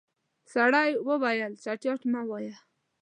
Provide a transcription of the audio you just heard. سړی وويل چټياټ مه وايه.